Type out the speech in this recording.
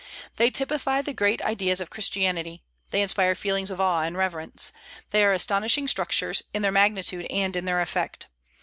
They typify the great ideas of Christianity; they inspire feelings of awe and reverence; they are astonishing structures, in their magnitude and in their effect.